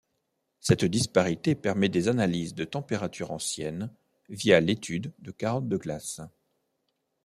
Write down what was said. Cette disparité permet des analyses de températures anciennes via l'étude de carottes de glace.